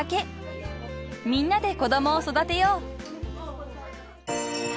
［みんなで子供を育てよう］